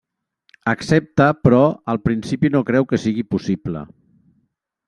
Accepta, però al principi no creu que sigui possible.